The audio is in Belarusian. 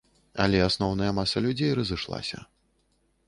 Але асноўная маса людзей разышлася.